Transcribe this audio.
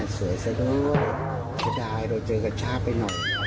สวยสะโน่สุดยอดเราเจอกันช้าไปหน่อย